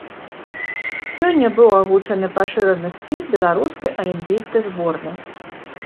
Сёння быў агучаны пашыраны спіс беларускай алімпійскай зборнай.